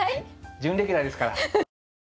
準レギュラーですから。